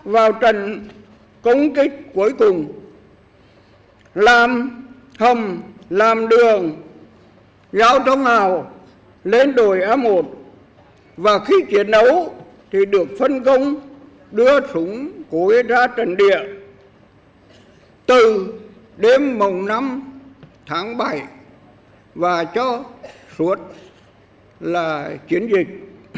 với chiến đấu thì được phân công đưa súng cổi ra trận địa từ đêm mồng năm tháng bảy và cho suốt là chiến dịch